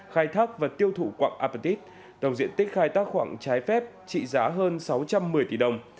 khai thác và tiêu thụ quạng apec tổng diện tích khai thác khoảng trái phép trị giá hơn sáu trăm một mươi tỷ đồng